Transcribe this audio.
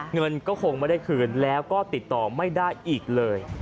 เงินก็คงไม่ได้คืนแล้วก็ติดต่อไม่ได้อีกเลย